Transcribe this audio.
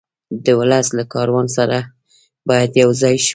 د ولس له کاروان سره باید یو ځای شو.